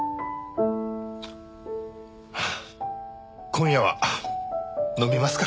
今夜は飲みますか。